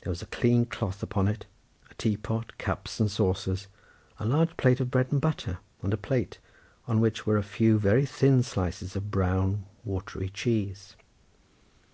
There was a clean cloth upon it, a tea pot, cups and saucers, a large plate of bread and butter, and a plate, on which were a few very thin slices of brown, watery cheese.